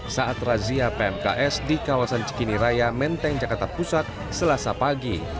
saat razia pmks di kawasan cikini raya menteng jakarta pusat selasa pagi